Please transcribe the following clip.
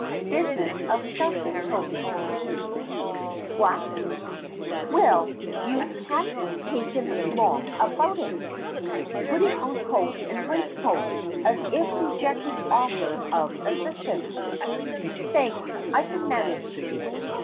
(Business of stethoscoping.) What? Well, you haven't taken long about it. (Putting on coat and waistcoat, as if rejecting offer of assistance. ) Thanks, I can manage.